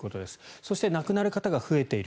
そして亡くなる方が増えている。